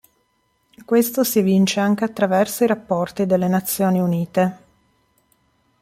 Questo si evince anche attraverso i rapporti delle Nazioni Unite.